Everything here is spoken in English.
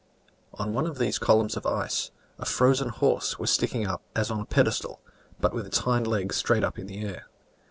On one of these columns of ice, a frozen horse was sticking as on a pedestal, but with its hind legs straight up in the air.